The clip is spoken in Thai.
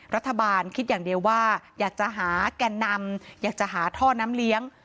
รัฐบาลคิดอย่างเดียวว่าอยากจะหาแก่นำอยากจะหาท่อน้ำเลี้ยง